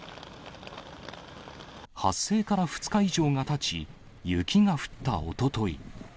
発生から２日以上がたち、雪が降ったおととい。